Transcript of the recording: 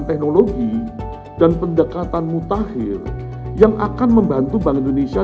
teknologi dan pendekatan mutakhir yang akan membantu bank indonesia